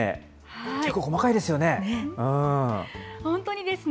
結構細かいですよね。